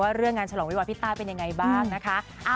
เรื่องงานฉลองวิวาพี่ต้าเป็นยังไงบ้างนะคะ